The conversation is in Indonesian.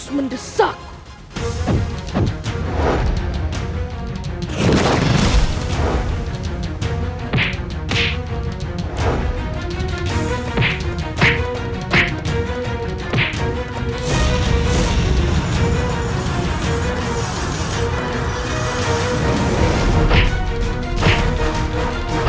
dan menangkap kake guru